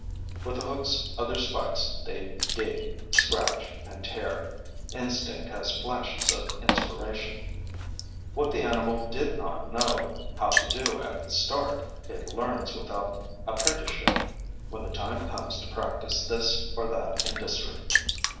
With the hooks of their spikes they dig, scratch and tear. Instinct has flashes of inspiration. What the animal did not know how to do at the start it learns without apprenticeship when the time comes to practice this or that industry.